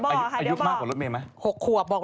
โอ้ยเดี๋ยวรถเมย์ค่อยบอก